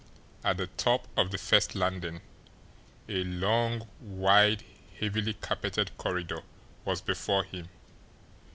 At the top of the first landing, a long, wide, heavily carpeted corridor was before him.